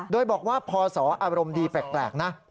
โดยบอกว่าพศอารมณ์ดีแปลกนะ